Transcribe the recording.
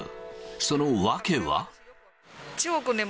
その訳は。